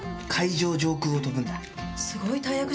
上空を飛ぶんだ。